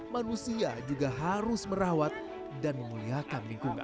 manusia juga harus merawat dan memuliakan lingkungan